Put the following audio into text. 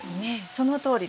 そのとおりです。